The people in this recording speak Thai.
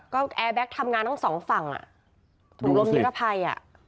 ก็แอร์แบ็คทำงานทั้งสองฝั่งอ่ะถุงลมนิรภัยอ่ะ